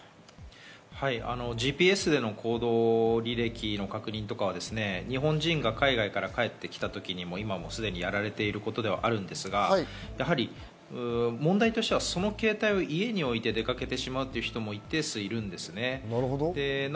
ＧＰＳでの行動履歴の確認は日本人が海外から帰ってきた時もすでにやられていることではあるんですが問題としてはその携帯を家に置いて出かけてしまう人も一定数いるんですよね。